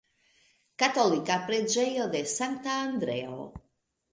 Katolika preĝejo de Sankta Andreo.